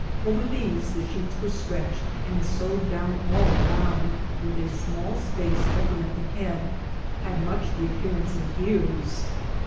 Over these the sheets were stretched, and, sew ed down all around, with a small space open at the head, had much the appearance of biers.